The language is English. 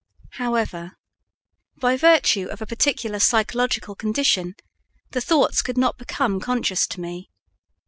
However, by virtue of a particular psychological condition, the thoughts could not become conscious to me.